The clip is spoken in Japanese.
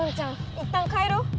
いったん帰ろう。